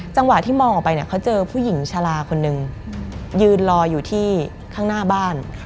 จังหวะที่มองออกไปเนี่ยเขาเจอผู้หญิงชาลาคนหนึ่งยืนรออยู่ที่ข้างหน้าบ้าน